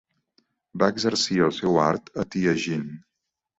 Va exercir el seu art a Tianjin.